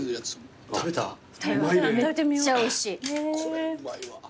これうまいわ。